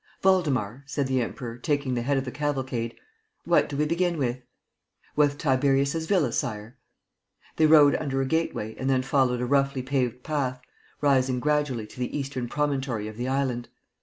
"Waldemar," said the Emperor, taking the head of the cavalcade, "what do we begin with?" "With Tiberius's Villa, Sire." They rode under a gateway and then followed a roughly paved path, rising gradually to the eastern promontory of the island.